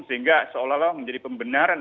sehingga seolah olah menjadi pembenaran